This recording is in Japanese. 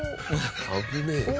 危ねえよ。